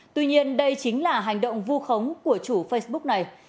tuy nhiên đây chính là hành động vu khống của chủ facebook này